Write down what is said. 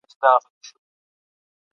سیاست به په ټولنه کي یوه هڅه نه وي.